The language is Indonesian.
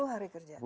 sepuluh hari kerja